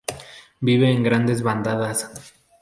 Vive en grandes bandadas.